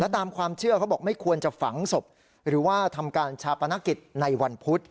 ตามความเชื่อเขาบอกไม่ควรจะฝังศพหรือว่าทำการชาปนกิจในวันพุธ